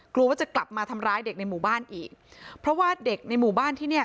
กลัวว่าจะกลับมาทำร้ายเด็กในหมู่บ้านอีกเพราะว่าเด็กในหมู่บ้านที่เนี่ย